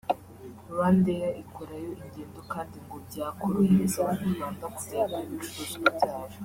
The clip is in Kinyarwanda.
RwandAir ikorayo ingendo kandi ngo byakorohereza abanyarwanda kujyanayo ibicuruzwa byabo